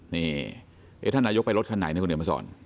นี่ท่านนายกไปรถคันไหนนะคุณเหรียญมภาษอรณ์